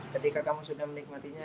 ketika kamu sudah menikmatinya